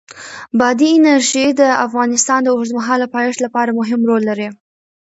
بادي انرژي د افغانستان د اوږدمهاله پایښت لپاره مهم رول لري.